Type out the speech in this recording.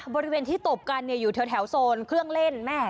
บริเวณที่ตบกันอยู่แถวโซนเครื่องเล่น